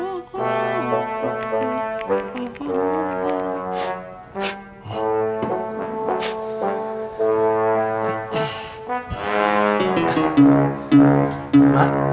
aku mau datang